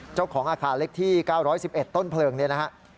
เจ้าของอาคารเล็กที่๙๑๑ต้นเพลิงเนี่ยนะฮะ